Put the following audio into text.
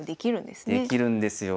できるんですよ。